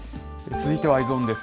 続いてはＥｙｅｓｏｎです。